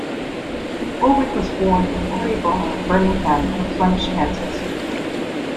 Ulric was born in Perry Barr, Birmingham, of Flemish ancestry.